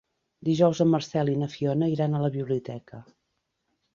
Dijous en Marcel i na Fiona iran a la biblioteca.